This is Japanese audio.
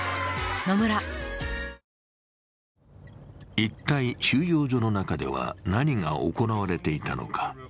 一体、収容所の中では何が行われていたのか。